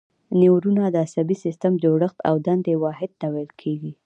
نیورونونه د عصبي سیستم د جوړښت او دندې واحد ته ویل کېږي.